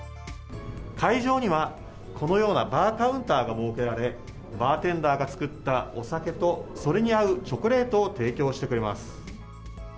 会場には、このようなバーカウンターが設けられ、バーテンダーが作ったお酒と、それに合うチョコレートを提供してくれます。